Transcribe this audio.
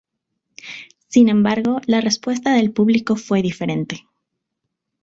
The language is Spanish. Sin embargo, la respuesta del público fue diferente.